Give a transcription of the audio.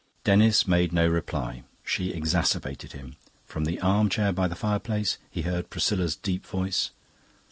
Denis made no reply; she exacerbated him. From the arm chair by the fireplace he heard Priscilla's deep voice.